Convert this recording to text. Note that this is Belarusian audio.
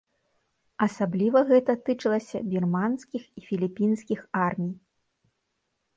Асабліва гэта тычылася бірманскіх і філіпінскіх армій.